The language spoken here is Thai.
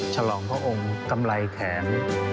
ฉลองพระองค์กำไรแขน